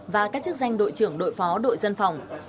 và các chức danh đội trưởng đội phó đội dân phòng